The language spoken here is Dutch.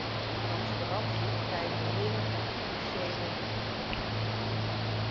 Transparantie bij het beheren van financiële...